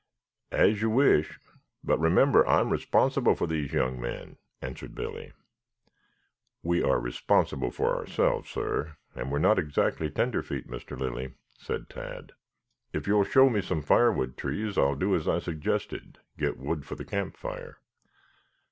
"As you wish. But remember, I am responsible for these young men," answered Billy. "We are responsible for ourselves, sir, and we are not exactly tenderfeet, Mr. Lilly," said Tad. "If you will show me some firewood trees I will do as I suggested, get wood for the campfire."